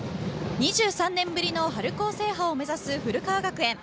２３年ぶりの春高制覇を目指す古川学園。